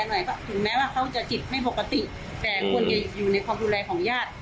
หน่อยก็ถึงแม้ว่าเขาจะจิตไม่ปกติแต่ควรจะอยู่ในความดูแลของญาติ